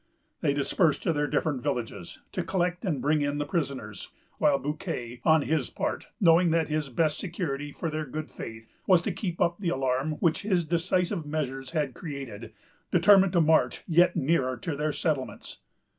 They dispersed to their different villages, to collect and bring in the prisoners; while Bouquet, on his part, knowing that his best security for their good faith was to keep up the alarm which his decisive measures had created, determined to march yet nearer to their settlements.